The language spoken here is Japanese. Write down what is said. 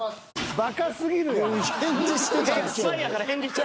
バカすぎるやろ。